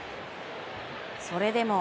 それでも。